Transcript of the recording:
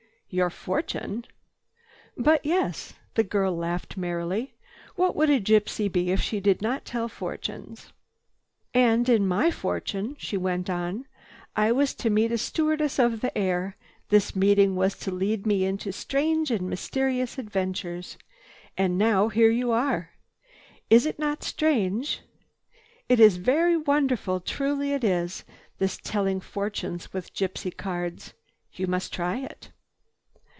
"Your fortune?" "But yes." The girl laughed merrily. "What would a gypsy be if she did not tell fortunes? "And in my fortune," she went on, "I was to meet a stewardess of the air. This meeting was to lead me into strange and mysterious adventures. And now here you are. Is it not strange? It is very wonderful, truly it is, this telling fortunes with gypsy cards. You must try it."